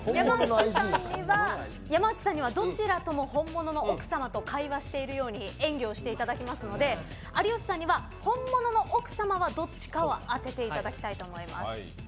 山内さんにはどちらとも本物の奥さんと会話しているように演技していただきますので有吉さんには本物の奥様はどちらかを当てていただきたいと思います。